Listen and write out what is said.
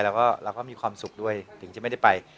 แล้วก็เราก็มีความสุขด้วยถึงจะไม่ได้ไป